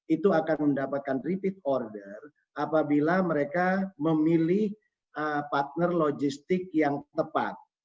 itu akan mendapatkan repeat order apabila mereka memilih partner logistik yang tepat